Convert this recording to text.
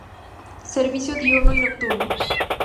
Servicio diurno y nocturno.